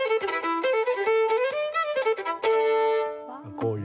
こういう。